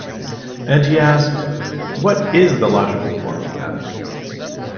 And he asked: 'What is the logical form of that?